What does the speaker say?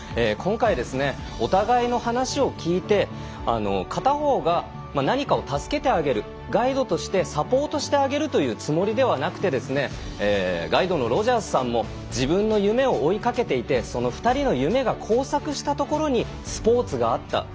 今回、お互いの話を聞いて片方が何かを助けてあげるガイドとして何かをサポートしてあげるつもりではなくてガイドのロジャースさんも自分の夢を追いかけていてその２人の夢が交錯したところにスポーツがあった。